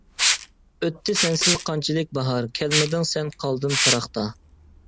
ئۆتتى سەنسىز قانچىلىك باھار؟ كەلمىدىڭ سەن قالدىم پىراقتا.